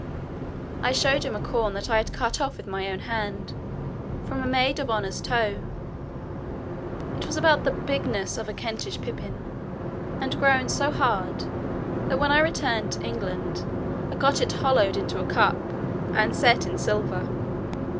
I showed him a corn that I had cut off with my own hand, from a maid of honour's toe; it was about the bigness of Kentish pippin, and grown so hard, that when I returned to England, I got it hollowed into a cup, and set in silver.